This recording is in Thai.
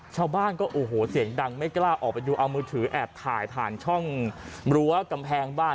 ชาวบ้านก็โอ้โหเสียงดังไม่กล้าออกไปดูเอามือถือแอบถ่ายผ่านช่องรั้วกำแพงบ้าน